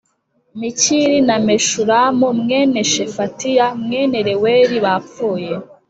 Mikiri na Meshulamu mwene Shefatiya mwene Reweli bapfuye